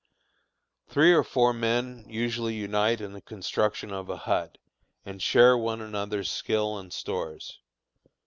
Three or four men usually unite in the construction of a hut, and share one another's skill and stores.